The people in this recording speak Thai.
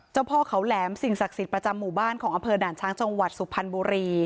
พ่อเขาแหลมสิ่งศักดิ์สิทธิ์ประจำหมู่บ้านของอำเภอด่านช้างจังหวัดสุพรรณบุรี